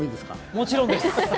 もちろんです。